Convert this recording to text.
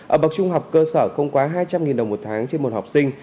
ở bậc trung học cơ sở không quá hai trăm linh đồng một tháng trên một học sinh